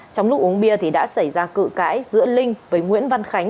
trong lúc uống bia thì đã xảy ra cự cãi giữa linh với nguyễn văn khánh